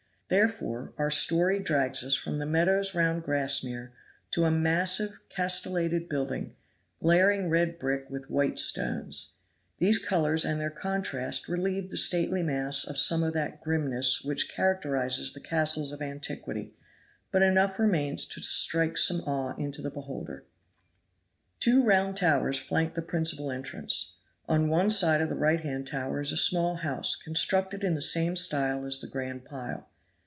Therefore our story drags us from the meadows round Grassmere to a massive, castellated building, glaring red brick with white stone corners. These colors and their contrast relieve the stately mass of some of that grimness which characterizes the castles of antiquity; but enough remains to strike some awe into the beholder. Two round towers flank the principal entrance. On one side of the right hand tower is a small house constructed in the same style as the grand pile.